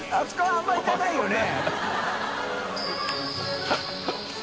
あんまりいかないよね？